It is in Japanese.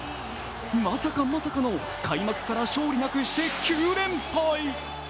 まさかまさかの開幕から勝利なくして９連敗。